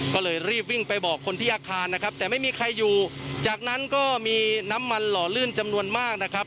ก็เลยรีบวิ่งไปบอกคนที่อาคารนะครับแต่ไม่มีใครอยู่จากนั้นก็มีน้ำมันหล่อลื่นจำนวนมากนะครับ